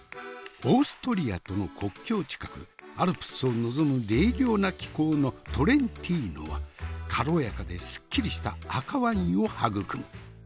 オーストリアとの国境近くアルプスを望む冷涼な気候のトレンティーノは軽やかですっきりした赤ワインを育む。